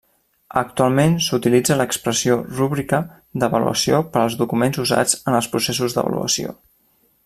Actualment s'utilitza l'expressió Rúbrica d'avaluació per als documents usats en els processos d'avaluació.